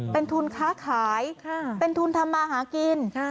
เป็นทุนค้าขายเป็นทุนทำมาหากิน